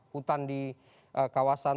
hutan di kawasan